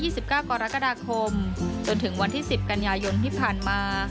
สิบเก้ากรกฎาคมจนถึงวันที่สิบกันยายนที่ผ่านมา